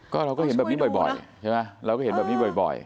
ก็เราก็เห็นแบบนี้บ่อยใช่ไหมเราก็เห็นแบบนี้บ่อย